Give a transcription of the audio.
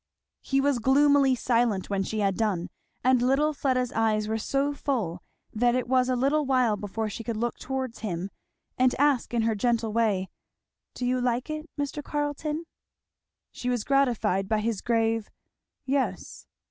He was gloomily silent when she had done, and little Fleda's eyes were so full that it was a little while before she could look towards him and ask in her gentle way, "Do you like it, Mr. Carleton?" She was gratified by his grave, "Yes!"